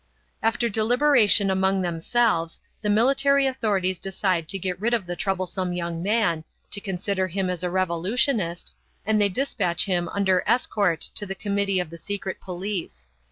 After deliberation among themselves, the military authorities decide to get rid of the troublesome young man, to consider him as a revolutionist, and they dispatch him under escort to the committee of the secret police.